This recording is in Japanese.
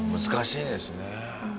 難しいですね。